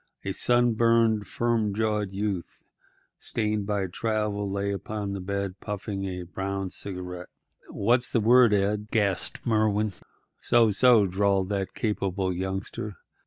A sunburned, firm jawed youth, stained by travel, lay upon the bed puffing at a brown cigarette. "What's the word, Ed?" gasped Merwin. "So, so," drawled that capable youngster.